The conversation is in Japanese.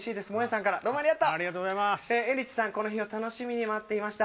この日を楽しみに待っていました。